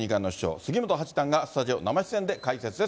杉本八段がスタジオ生出演で解説です。